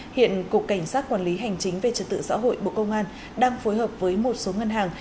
hiện cục cảnh sát quản lý hành chính về trật tự xã hội bộ công an đang phối hợp với một số ngân hàng